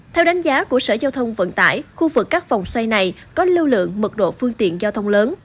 theo đánh giá của sở giao thông vận tải khu vực các vòng xoay này có lưu lượng mật độ phương tiện giao thông lớn